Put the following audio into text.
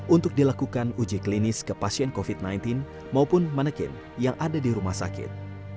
untuk dilakukan uji klinis ke pasien covid sembilan belas maupun manekin yang ada di rumah sakit